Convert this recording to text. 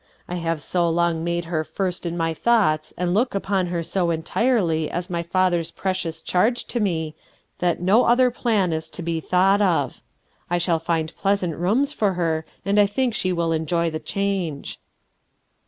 I have so long made her first in my thoughts and look upon her so entirely as my father's precious charge to me, that MAMIE PARKER 35 no other plan is to be thought of. I shall fmd pleasant rooms for her, and I think she will enjoy the change."